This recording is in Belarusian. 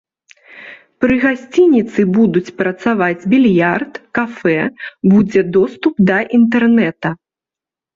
Пры гасцініцы будуць працаваць більярд, кафэ, будзе доступ да інтэрнэта.